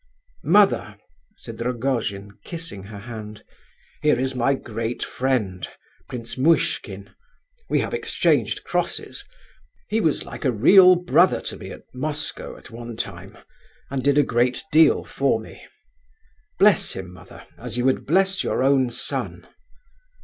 "Mother," said Rogojin, kissing her hand, "here is my great friend, Prince Muishkin; we have exchanged crosses; he was like a real brother to me at Moscow at one time, and did a great deal for me. Bless him, mother, as you would bless your own son.